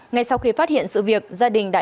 ngay sau khi phát hiện sự việc gia đình đã